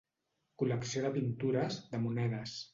Col·lecció de pintures, de monedes.